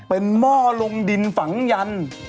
เป็นหม้อลงดินฝังยัน